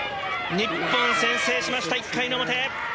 日本、先制しました１回の表。